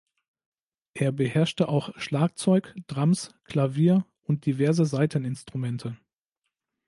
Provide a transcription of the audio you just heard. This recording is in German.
Er beherrschte auch Schlagzeug, Drums, Klavier und diverse Saiteninstrumente.